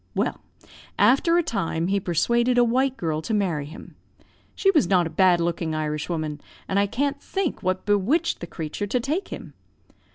Well, after a time he persuaded a white girl to marry him. She was not a bad looking Irish woman, and I can't think what bewitched the creature to take him.